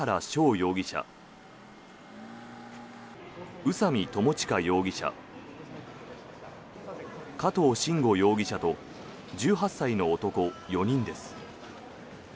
容疑者宇佐美巴悠容疑者加藤臣吾容疑者と１８歳の男４人です。